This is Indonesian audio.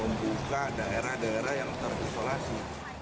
membuka daerah daerah yang terisolasi